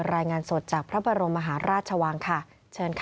รายงานสดจากพระบรมมหาราชวังค่ะเชิญค่ะ